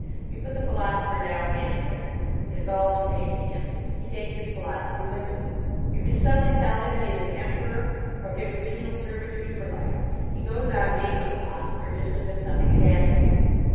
You put the philosopher down anywhere. It is all the same to him, he takes his philosophy with him. You can suddenly tell him he is an emperor, or give him penal servitude for life. He goes on being a philosopher just as if nothing had happened.